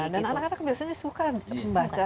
dan anak anak biasanya suka membaca